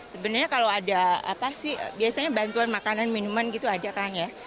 sebenarnya kalau ada apa sih biasanya bantuan makanan minuman gitu ada kang ya